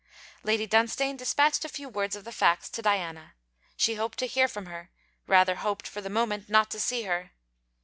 Lady Dunstane despatched a few words of the facts to Diana. She hoped to hear from her; rather hoped, for the moment, not to see her.